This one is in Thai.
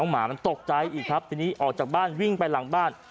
ย้องหมาตกใจอีกครับออกจากบ้านวิ่งไปหลังบ้าน